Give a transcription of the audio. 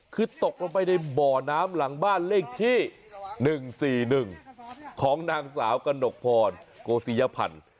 คือตกลงไปในบ่อน้ำหลังบ้านเลขที่๑๔๑ของนางสาวกระหนกพรโกศิยพันธ์